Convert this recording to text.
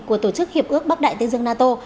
của tổ chức hiệp ước bắc đại tây dương nato